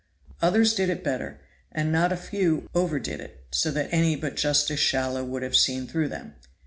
Others did it better; and not a few overdid it, so that any but Justice Shallow would have seen through them.